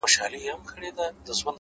د شپې نيمي كي ـ